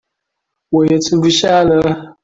我也吃不下了